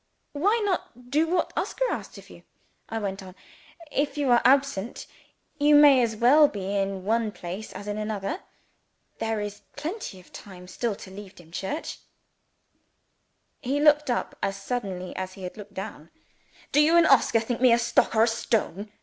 "Why not do what Oscar asks of you?" I went on. "If you are absent, you may as well be in one place as in another. There is plenty of time still to leave Dimchurch." He looked up as suddenly as he had looked down. "Do you and Oscar think me a stock or a stone?"